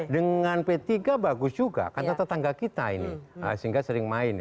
dengan p tiga bagus juga karena tetangga kita ini sehingga sering main